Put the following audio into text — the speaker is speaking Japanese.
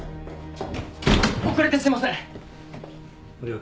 遅れてすいません！